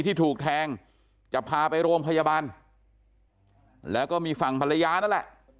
ที่ถูกแทงจะพาไปโรงพยาบาลแล้วก็มีฝั่งภรรยานั่นแหละ